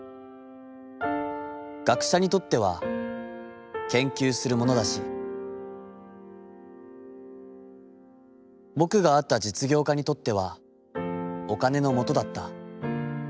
学者にとっては、研究するものだし、ぼくが会った実業家にとってはお金のもとだった。